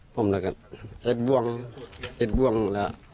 ผมแบบเอ็ดบวงเอ็ดบวงแล้ว